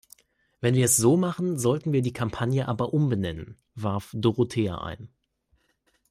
Wenn wir es so machen, sollten wir die Kampagne aber umbenennen, warf Dorothea ein.